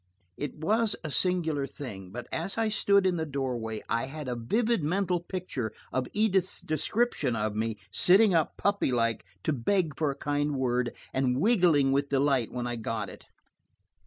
It was a singular thing, but as I stood in the doorway, I had a vivid mental picture of Edith's description of me, sitting up puppy like to beg for a kind word, and wiggling with delight when I got it.